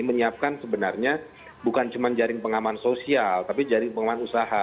menyiapkan sebenarnya bukan cuma jaring pengaman sosial tapi jaring pengaman usaha